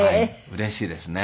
うれしいですね。